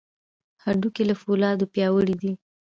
هډوکي له فولادو پیاوړي دي.